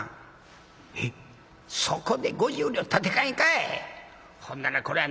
「そこで５０両立て替えんかい！